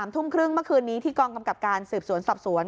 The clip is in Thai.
ทุ่มครึ่งเมื่อคืนนี้ที่กองกำกับการสืบสวนสอบสวน